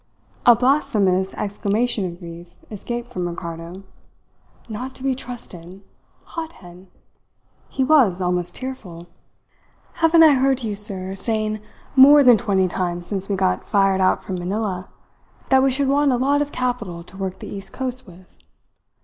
A blasphemous exclamation of grief escaped from Ricardo. Not to be trusted! Hothead! He was almost tearful. "Haven't I heard you, sir, saying more than twenty times since we got fired out from Manila that we should want a lot of capital to work the East Coast with?